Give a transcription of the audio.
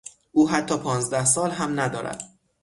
او حتی پانزده سال هم ندارد.